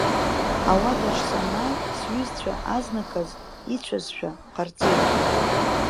Ауадаҿы санааи, сҩызцәа азныказ ицәазшәа ҟарҵеит.